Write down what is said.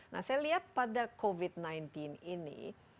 nah saya lihat pada covid sembilan belas ini